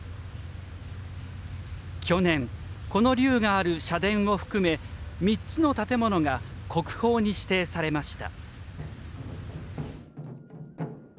去年、この龍がある社殿を含め３つの建物が国宝に指定されました。